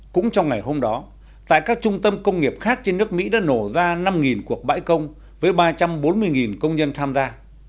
cũng trong ngày hôm đó tại các trung tâm công nghiệp khác trên nước mỹ đã nổ ra năm cuộc bãi công với ba trăm bốn mươi công nhân tham gia